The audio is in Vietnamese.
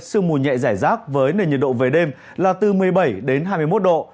sương mù nhẹ giải rác với nền nhiệt độ về đêm là từ một mươi bảy đến hai mươi một độ